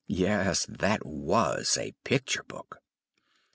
Yes, that was a picture book!